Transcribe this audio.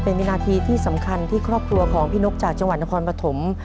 เป็นวินาทีที่สำคัญที่ครอบครัวของพี่นกจากจังหวัดนครปฐม